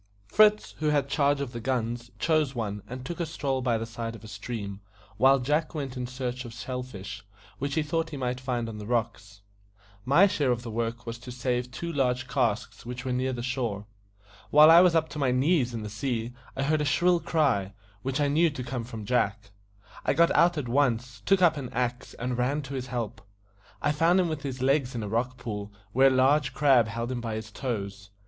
Fritz, who had charge of the guns, chose one, and took a stroll by the side of a stream, while Jack went in search of shell fish, which he thought he might find on the rocks. My share of the work was to save two large casks which were near the shore. While I was up to my knees in the sea I heard a shrill cry, which I knew to come from Jack. I got out at once, took up an axe, and ran to his help. I found him with his legs in a rock pool, where a large crab held him by his toes.